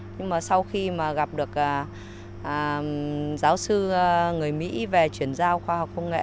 nhưng mà sau khi mà gặp được giáo sư người mỹ về chuyển giao khoa học công nghệ